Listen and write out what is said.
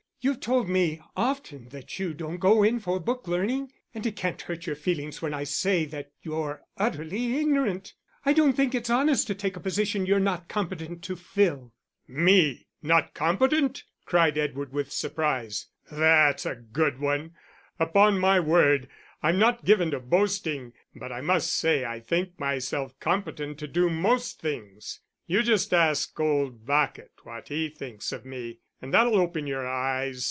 You've told me often that you don't go in for book learning; and it can't hurt your feelings when I say that you're utterly ignorant. I don't think its honest to take a position you're not competent to fill." "Me not competent?" cried Edward, with surprise. "That's a good one! Upon my word, I'm not given to boasting, but I must say I think myself competent to do most things.... You just ask old Bacot what he thinks of me, and that'll open your eyes.